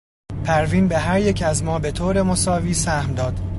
پروین به هر یک از ما به طور مساوی سهم داد.